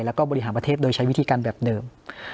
แล้วก็บริหารประเทศโดยใช้วิธีการแบบเดิม